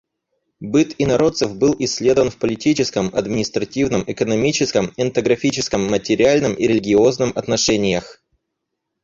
Быт инородцев был исследован в политическом, административном, экономическом, этнографическом, материальном и религиозном отношениях.